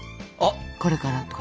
これから」とか。